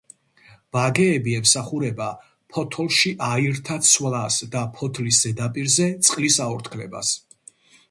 ბაგეები ემსახურება ფოთოლში აირთა ცვლას და ფოთლის ზედაპირზე წყლის აორთქლებას.